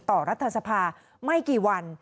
รัฐสภาไม่กี่วัน